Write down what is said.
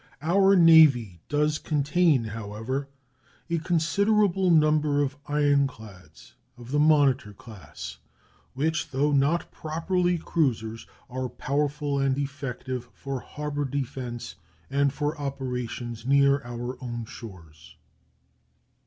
Our Navy does contain, however, a considerable number of ironclads of the monitor class, which, though not properly cruisers, are powerful and effective for harbor defense and for operations near our own shores.